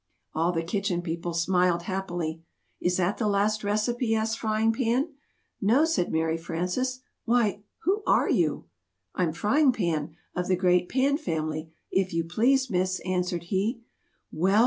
All the Kitchen People smiled happily. "Is that the last recipe?" asked Frying Pan. "No," said Mary Frances. "Why, who are you?" "I'm Frying Pan, of the great Pan family, if you please, Miss," answered he. "Well!